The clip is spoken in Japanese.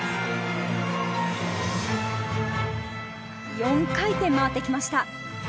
４回転、回ってきました。